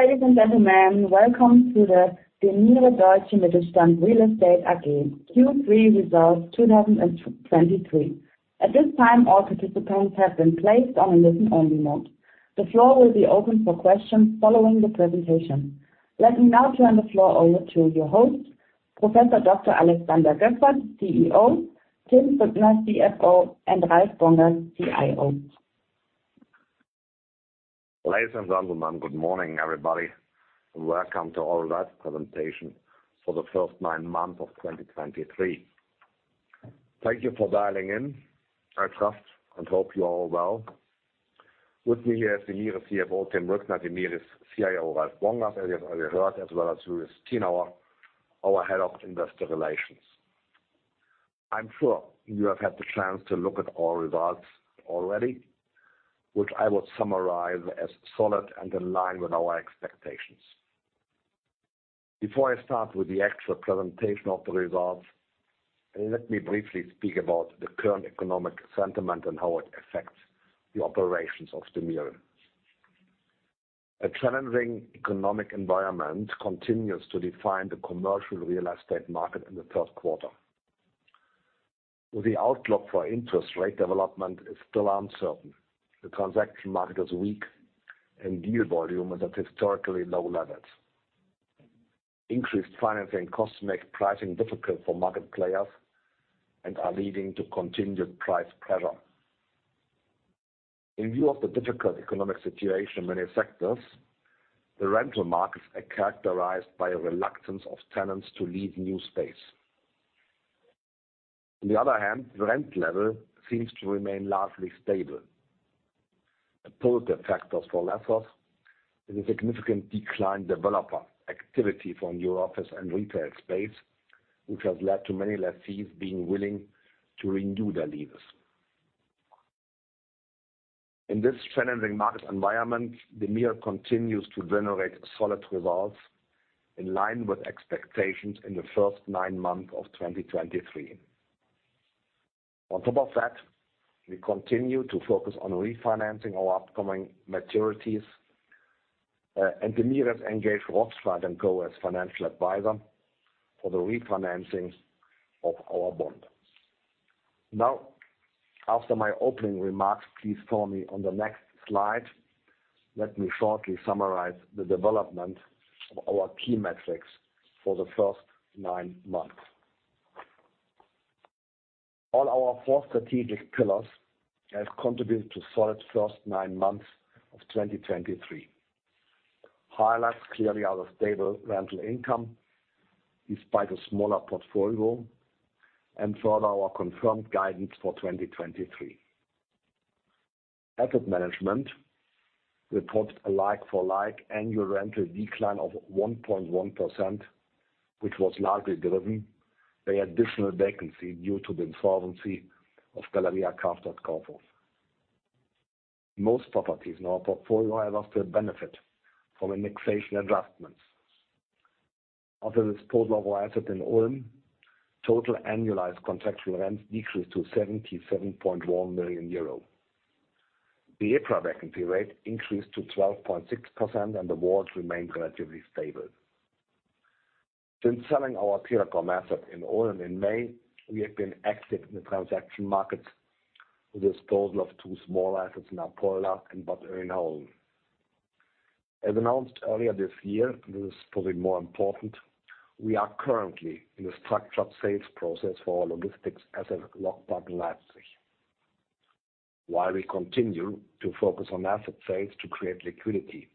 Hello, ladies and gentlemen. Welcome to the DEMIRE Deutsche Mittelstand Real Estate AG Q3 results 2023. At this time, all participants have been placed on a listen-only mode. The floor will be open for questions following the presentation. Let me now turn the floor over to your host, Professor Dr. Alexander Goepfert, CEO, Tim Brückner, CFO, and Ralf Bongers, CIO. Ladies and gentlemen, good morning, everybody. Welcome to our last presentation for the first nine months of 2023. Thank you for dialing in. I trust and hope you are all well. With me here is the DEMIRE CFO, Tim Brückner, DEMIRE's CIO, Ralf Bongers, as you have already heard, as well as Julius Stinauer, our Head of Investor Relations. I'm sure you have had the chance to look at our results already, which I will summarize as solid and in line with our expectations. Before I start with the actual presentation of the results, let me briefly speak about the current economic sentiment and how it affects the operations of DEMIRE. A challenging economic environment continues to define the commercial real estate market in the third quarter. The outlook for interest rate development is still uncertain. The transaction market is weak, and deal volume is at historically low levels. Increased financing costs make pricing difficult for market players and are leading to continued price pressure. In view of the difficult economic situation in many sectors, the rental markets are characterized by a reluctance of tenants to leave new space. On the other hand, the rent level seems to remain largely stable. A positive factor for lessors is a significant decline in developer activity from new office and retail space, which has led to many lessees being willing to renew their leases. In this challenging market environment, DEMIRE continues to generate solid results in line with expectations in the first 9 months of 2023. On top of that, we continue to focus on refinancing our upcoming maturities, and DEMIRE has engaged Rothschild & Co as financial advisor for the refinancing of our bond. Now, after my opening remarks, please follow me on the next slide. Let me shortly summarize the development of our key metrics for the first nine months. All our four strategic pillars have contributed to solid first nine months of 2023. Highlights clearly are the stable rental income, despite a smaller portfolio, and further, our confirmed guidance for 2023. Asset management reported a like-for-like annual rental decline of 1.1%, which was largely driven by additional vacancy due to the insolvency of Galeria Karstadt Kaufhof. Most properties in our portfolio have also benefit from indexation adjustments. After the disposal of our asset in Ulm, total annualized contractual rents decreased to 77.1 million euro. The EPRA vacancy rate increased to 12.6%, and the awards remained relatively stable. Since selling our Telekom asset in Ulm in May, we have been active in the transaction market with the disposal of two smaller assets in Apolda and Bad Neuenahr. As announced earlier this year, this is probably more important, we are currently in a structured sales process for our logistics asset, LogPark Leipzig. While we continue to focus on asset sales to create liquidity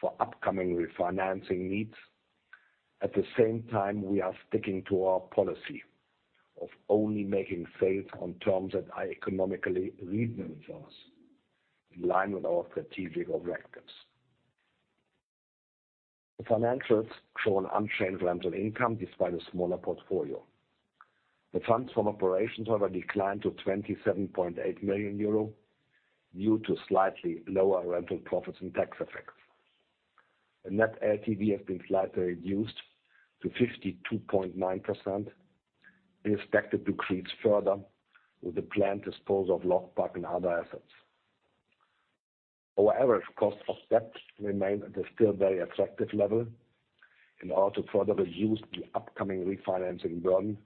for upcoming refinancing needs, at the same time, we are sticking to our policy of only making sales on terms that are economically reasonable for us, in line with our strategic objectives. The financials show an unchanged rental income, despite a smaller portfolio. The funds from operations, however, declined to 27.8 million euro due to slightly lower rental profits and tax effects. The net LTV has been slightly reduced to 52.9%, and is expected to decrease further with the planned disposal of LogPark and other assets. Our average cost of debt remain at a still very attractive level. In order to further reduce the upcoming refinancing burden,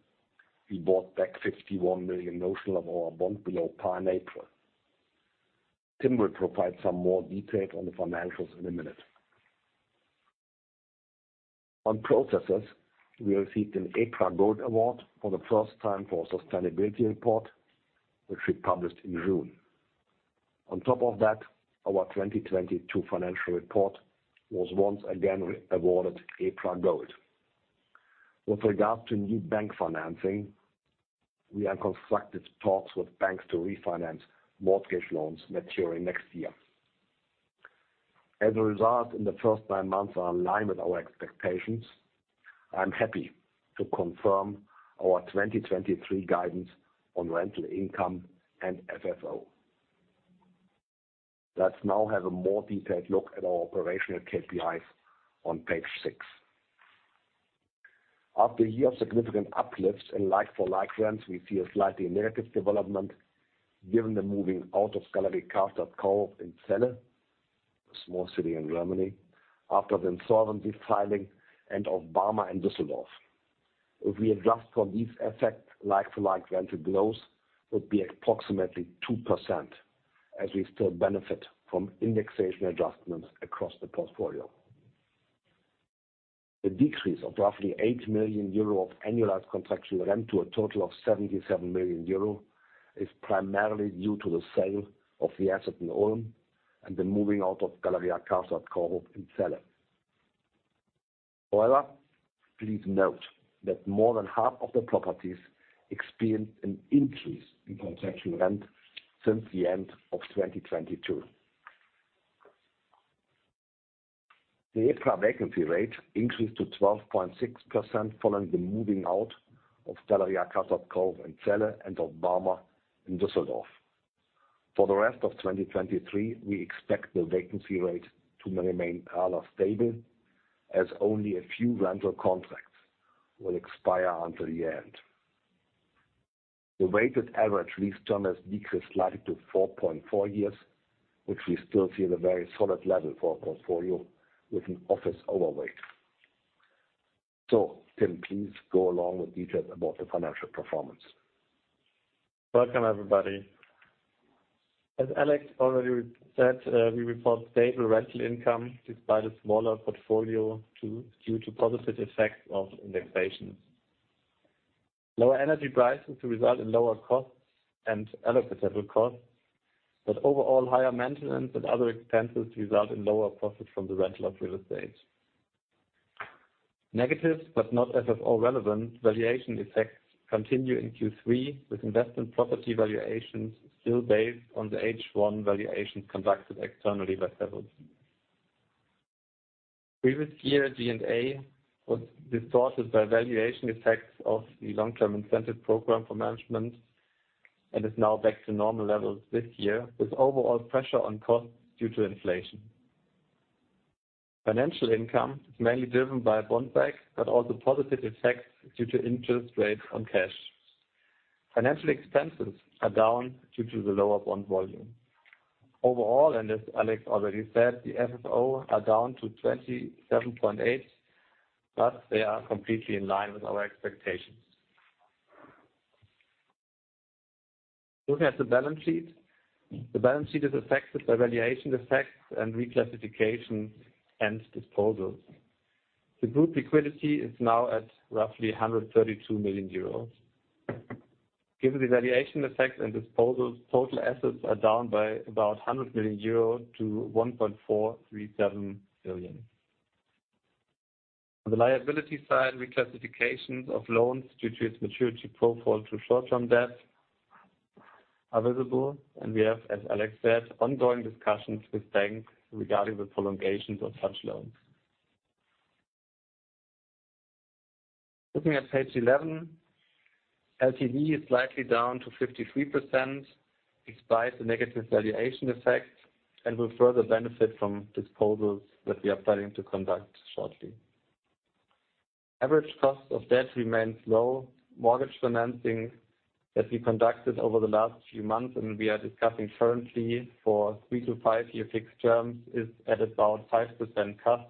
we bought back 51 million notional of our bond below par in April. Tim will provide some more detail on the financials in a minute. On processes, we received an EPRA Gold Award for the first time for our sustainability report, which we published in June. On top of that, our 2022 financial report was once again re-awarded EPRA Gold. With regards to new bank financing, we are in constructive talks with banks to refinance mortgage loans maturing next year. As a result, in the first 9 months, are in line with our expectations. I'm happy to confirm our 2023 guidance on rental income and FFO. Let's now have a more detailed look at our operational KPIs on page 6. After a year of significant uplifts in like-for-like rents, we see a slightly negative development given the moving out of Galeria Kaufhof in Celle, a small city in Germany, after the insolvency filing and of BARMER in Düsseldorf. If we adjust for these effects, like-for-like rental growth would be approximately 2%, as we still benefit from indexation adjustments across the portfolio. The decrease of roughly 8 million euro of annualized contractual rent to a total of 77 million euro is primarily due to the sale of the asset in Ulm and the moving out of Galeria Kaufhof in Celle. However, please note that more than half of the properties experienced an increase in contractual rent since the end of 2022. The EPRA vacancy rate increased to 12.6% following the moving out of Galeria Kaufhof in Celle and of BARMER in Düsseldorf. For the rest of 2023, we expect the vacancy rate to remain rather stable, as only a few rental contracts will expire until the end. The weighted average lease term has decreased slightly to 4.4 years, which we still see in a very solid level for our portfolio with an office overweight. So Tim, please go along with details about the financial performance. Welcome, everybody. As Alex already said, we report stable rental income despite a smaller portfolio due to positive effects of indexation. Lower energy prices to result in lower costs and other capital costs, but overall, higher maintenance and other expenses result in lower profit from the rental of real estate. Negative, but not FFO-relevant valuation effects continue in Q3, with investment property valuations still based on the H1 valuations conducted externally by levels. Previous year G&A was distorted by valuation effects of the long-term incentive program for management, and is now back to normal levels this year, with overall pressure on costs due to inflation. Financial income is mainly driven by bond back, but also positive effects due to interest rates on cash. Financial expenses are down due to the lower bond volume. Overall, and as Alex already said, the FFO are down to 27.8, but they are completely in line with our expectations. Looking at the balance sheet. The balance sheet is affected by valuation effects and reclassification and disposals. The group liquidity is now at roughly 132 million euros. Given the valuation effects and disposals, total assets are down by about 100 million euro to 1.437 billion. On the liability side, reclassifications of loans due to its maturity profile to short-term debt are visible, and we have, as Alex said, ongoing discussions with banks regarding the prolongations of such loans. Looking at page 11, LTV is slightly down to 53% despite the negative valuation effect, and will further benefit from disposals that we are planning to conduct shortly. Average cost of debt remains low. Mortgage financing that we conducted over the last few months, and we are discussing currently for 3- to 5-year fixed terms, is at about 5% cost,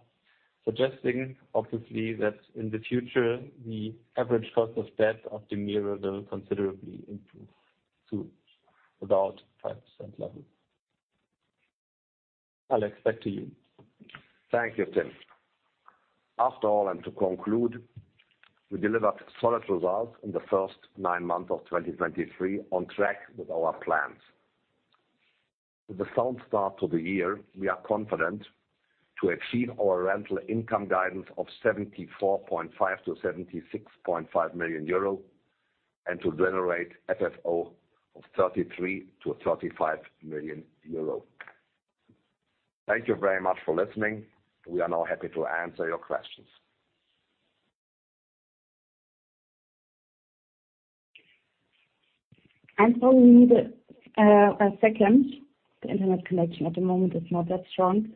suggesting obviously that in the future, the average cost of debt of DEMIRE will considerably improve to about 5% level. Alex, back to you. Thank you, Tim. After all, and to conclude, we delivered solid results in the first nine months of 2023 on track with our plans. With a sound start to the year, we are confident to achieve our rental income guidance of 74.5 million-76.5 million euro and to generate FFO of 33 million-35 million euro. Thank you very much for listening. We are now happy to answer your questions. I'm sorry, we need a second. The internet connection at the moment is not that strong.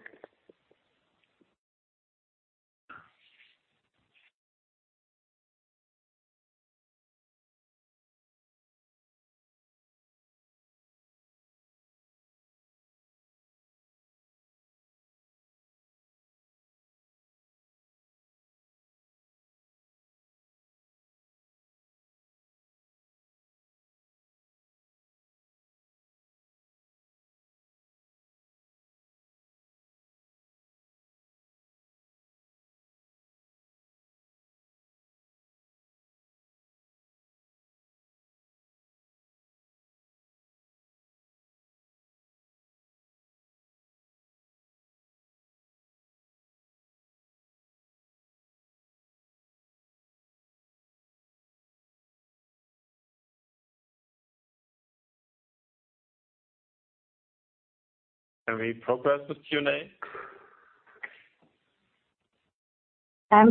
Can we progress with Q&A?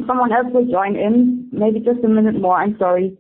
Someone else will join in. Maybe just a minute more. I'm sorry.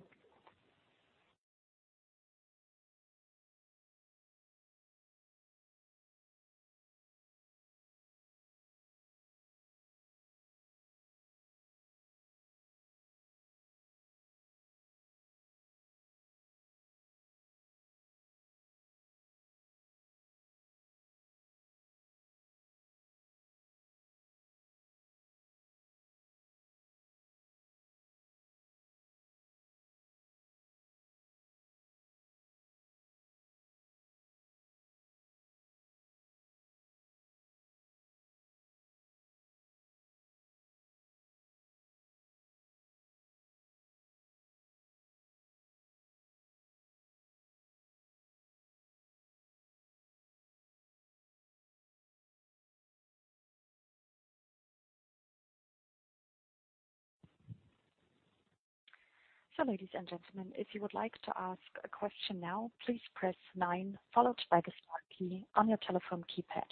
So ladies and gentlemen, if you would like to ask a question now, please press nine, followed by the star key on your telephone keypad.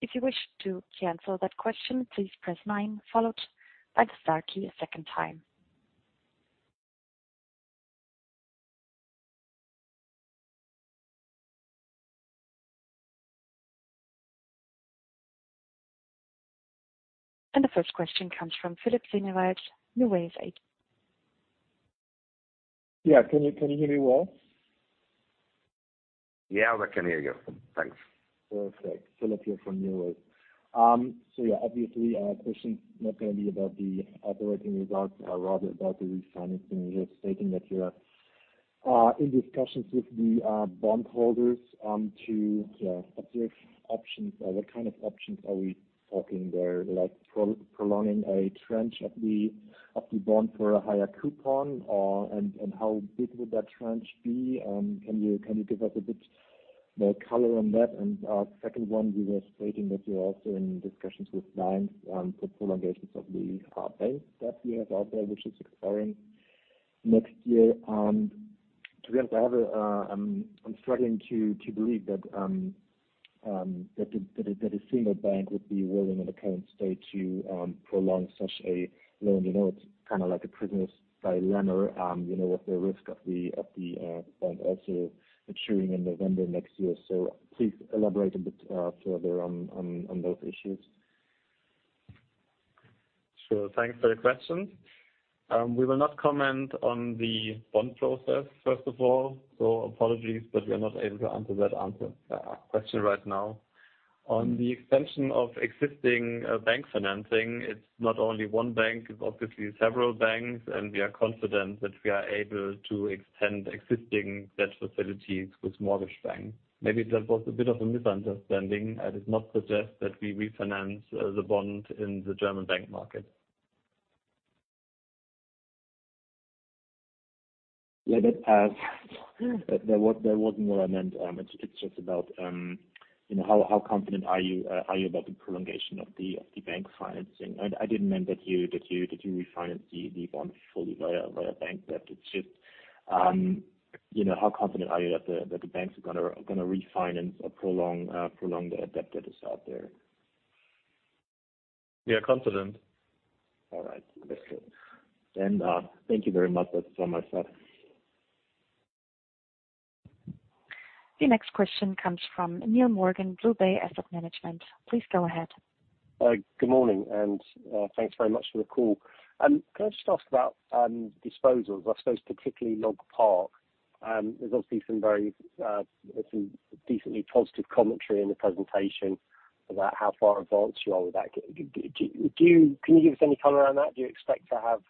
If you wish to cancel that question, please press nine followed by the star key a second time. The first question comes from Philipp Sennewald, NuWays AG. Yeah. Can you, can you hear me well? Yeah, we can hear you. Thanks. Perfect. Philipp here from NuWays. So yeah, obviously, our question is not going to be about the operating results, rather about the refinancing. You're stating that you're in discussions with the bondholders to yeah, explore options. What kind of options are we talking there? Like prolonging a tranche of the bond for a higher coupon, and how big would that tranche be? Can you give us a bit more color on that? And second one, we were stating that you're also in discussions with banks for prolongations of the bank debt that you have out there, which is expiring next year. To be honest, I have a—I'm struggling to believe that the senior bank would be willing in the current state to prolong such a loan. You know, it's kind of like a prisoner's dilemma, you know, with the risk of the bond also maturing in November next year. So please elaborate a bit further on those issues. Sure. Thanks for the question. We will not comment on the bond process, first of all, so apologies, but we are not able to answer that answer, question right now. On the extension of existing bank financing, it's not only one bank, it's obviously several banks, and we are confident that we are able to extend existing debt facilities with Mortgage Bank. Maybe that was a bit of a misunderstanding. I did not suggest that we refinance the bond in the German bank market. Yeah. That, that wasn't what I meant. It's, it's just about, you know, how, how confident are you, are you about the prolongation of the, of the bank financing? I didn't mean that you, that you, that you refinance the, the bond fully via, via bank, but it's just, you know, how confident are you that the, that the banks are gonna, gonna refinance or prolong, prolong the debt that's out there? We are confident. All right. That's good. Then, thank you very much. That's all on my side. The next question comes from Neill Morgan, BlueBay Asset Management. Please go ahead. Good morning, and thanks very much for the call. Can I just ask about disposals, I suppose, particularly LogPark? There's obviously some decently positive commentary in the presentation about how far advanced you are with that. Can you give us any color on that? Do you expect to have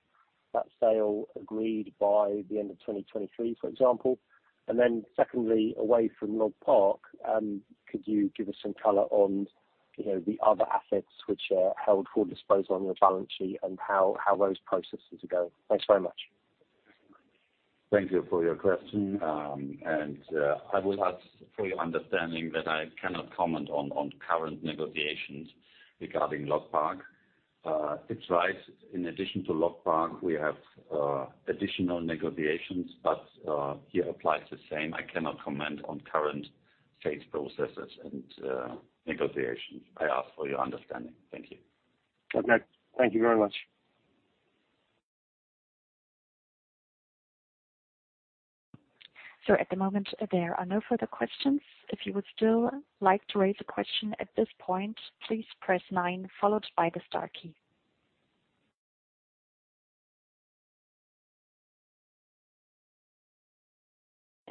that sale agreed by the end of 2023, for example? And then secondly, away from LogPark, could you give us some color on, you know, the other assets which are held for disposal on your balance sheet and how those processes are going? Thanks very much. Thank you for your question. I will ask for your understanding that I cannot comment on current negotiations regarding LogPark. It's right, in addition to LogPark, we have additional negotiations, but here applies the same. I cannot comment on current sales processes and negotiations. I ask for your understanding. Thank you. Okay. Thank you very much. At the moment, there are no further questions. If you would still like to raise a question at this point, please press nine, followed by the star key.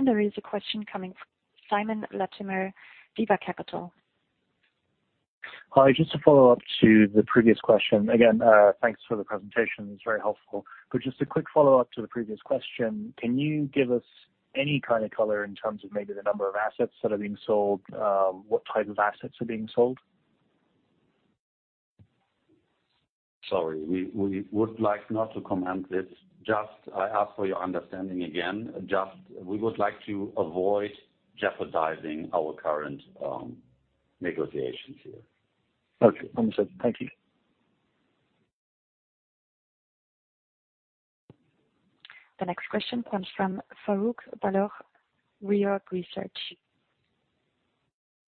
There is a question coming from Simon Latimer, Viva Capital. Hi, just to follow up to the previous question. Again, thanks for the presentation. It's very helpful. But just a quick follow-up to the previous question. Can you give us any kind of color in terms of maybe the number of assets that are being sold? What type of assets are being sold? Sorry, we would like not to comment this. Just I ask for your understanding again. Just we would like to avoid jeopardizing our current negotiations here. Okay, understood. Thank you. The next question comes from Farooq Baloch, Reorg Research.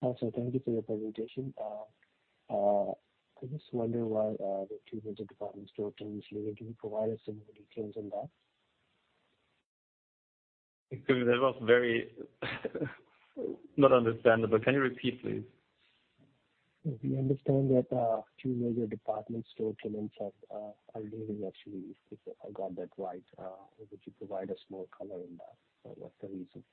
Also, thank you for your presentation. I just wonder why the two major departments don't initially. Can you provide us some more details on that? Excuse me, that was very not understandable. Can you repeat, please? We understand that two major department store tenants have are leaving actually, if I got that right. Could you provide us more color in that? What's the reason?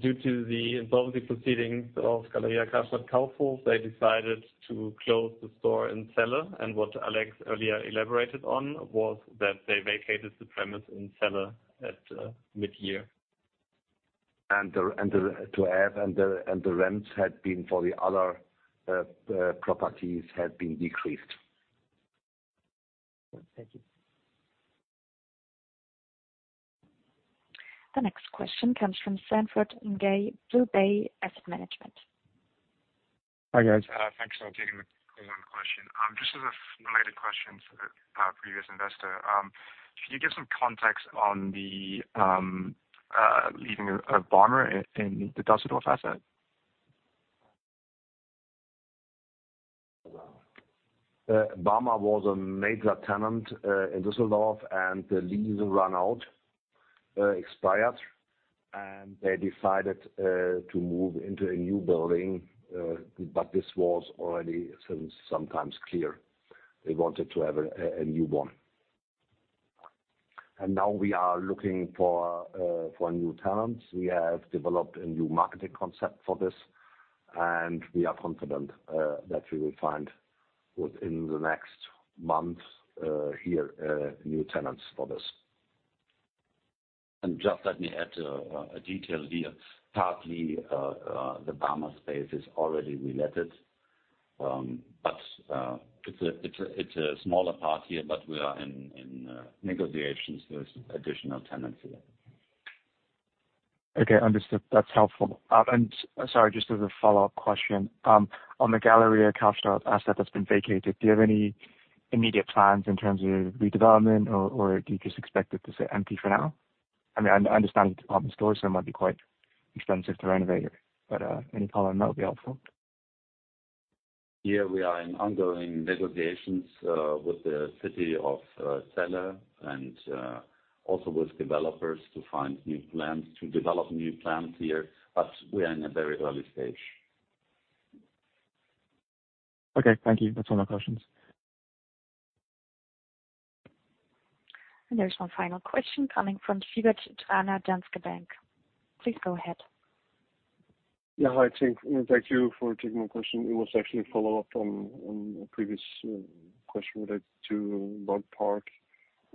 Due to the insolvency proceedings of Galeria Kaufhof, they decided to close the store in Celle. What Alex earlier elaborated on was that they vacated the premises in Celle at mid-year. To add, the rents had been decreased for the other properties. Thank you. The next question comes from Sanford Ngai, BlueBay Asset Management. Hi, guys. Thanks for taking my one question. Just as a related question to the previous investor, can you give some context on the leaving of BARMER in the Düsseldorf asset? BARMER was a major tenant in Düsseldorf, and the lease run out, expired, and they decided to move into a new building. But this was already somewhat clear. They wanted to have a new one. And now we are looking for new tenants. We have developed a new marketing concept for this, and we are confident that we will find within the next month here new tenants for this. Just let me add a detail here. Partly, the BARMER space is already re-letted, but it's a smaller part here, but we are in negotiations with additional tenants here. Okay, understood. That's helpful. And sorry, just as a follow-up question, on the Galeria Kaufhof asset that's been vacated, do you have any immediate plans in terms of redevelopment, or, or do you just expect it to stay empty for now? I mean, I understand department stores, so it might be quite expensive to renovate it, but any color on that would be helpful. Here we are in ongoing negotiations with the city of Celle and also with developers to find new plans, to develop new plans here, but we are in a very early stage. Okay, thank you. That's all my questions. There's one final question coming from Siebert Anna, Danske Bank. Please go ahead. Yeah, hi, thank you for taking my question. It was actually a follow-up on a previous question related to LogPark.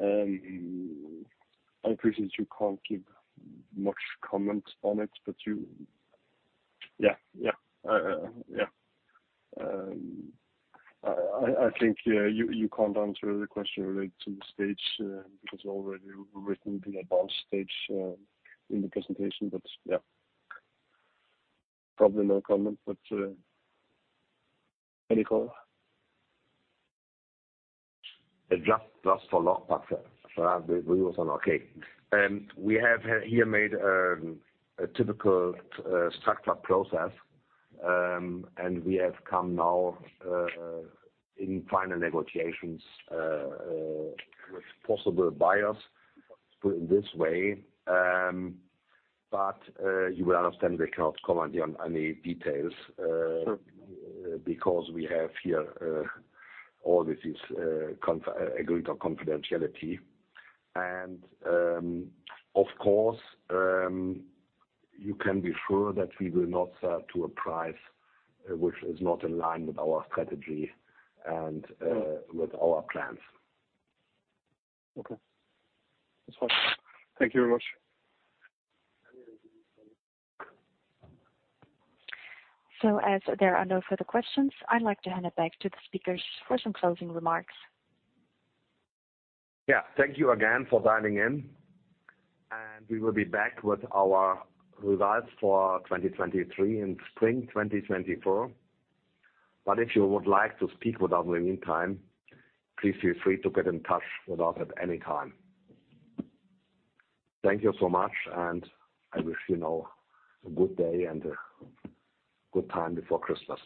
I appreciate you can't give much comment on it, but you— Yeah, yeah. Yeah. I think, yeah, you can't answer the question related to the stage because you already written the advanced stage in the presentation. But, yeah, probably no comment, but any call? Just, just for LogPark. We have here made a typical structure process, and we have come now in final negotiations with possible buyers, put it this way. But you will understand we cannot comment on any details. Sure. because we have here, all this is agreed on confidentiality. And, of course, you can be sure that we will not sell to a price, which is not in line with our strategy and with our plans. Okay. That's fine. Thank you very much. As there are no further questions, I'd like to hand it back to the speakers for some closing remarks. Yeah, thank you again for dialing in, and we will be back with our results for 2023 in spring 2024. But if you would like to speak with us in the meantime, please feel free to get in touch with us at any time. Thank you so much, and I wish you now a good day and a good time before Christmas.